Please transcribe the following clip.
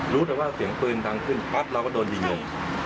รู้แต่ว่าเสียงปืนดังขึ้นปั๊บเราก็โดนยิงลง